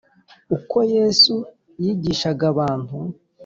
uko yesu yigishaga abantu